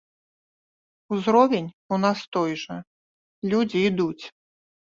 Узровень у нас той жа, людзі ідуць.